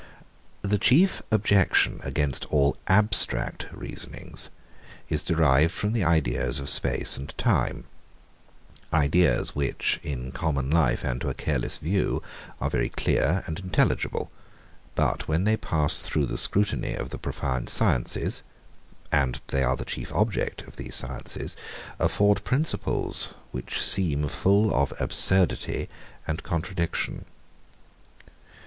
The chief objection against all abstract reasonings is derived from the ideas of space and time; ideas, which, in common life and to a careless view, are very clear and intelligible, but when they pass through the scrutiny of the profound sciences (and they are the chief object of these sciences) afford principles, which seem full of absurdity and contradiction.